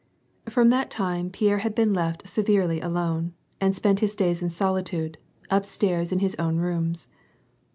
From that time, Pierre had been left severely alone, and spent his days in solitude, upstairs in his own rooms.